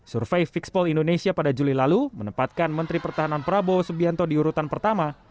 survei fixpol indonesia pada juli lalu menempatkan menteri pertahanan prabowo subianto diurutan pertama